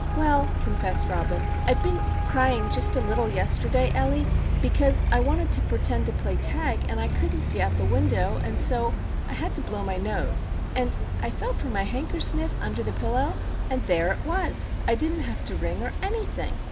"Well," confessed Robin, "I'd been crying just a little yesterday, Ellie, because I wanted to pertend to play tag and I couldn't see out the window, and so I had to blow my nose; and I felt for my hankersniff under the pillow, and there it was! I didn't have to ring or anything!